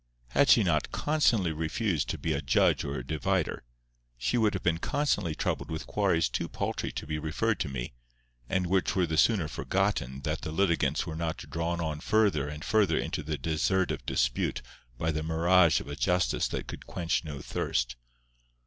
Had she not constantly refused to be a "judge or a divider," she would have been constantly troubled with quarrels too paltry to be referred to me, and which were the sooner forgotten that the litigants were not drawn on further and further into the desert of dispute by the mirage of a justice that could quench no thirst.